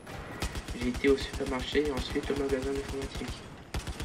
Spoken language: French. J’ai été au supermarché et ensuite au magasin d’informatique.